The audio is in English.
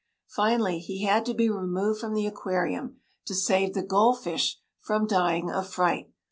Finally he had to be removed from the aquarium, to save the gold fish from dying of fright.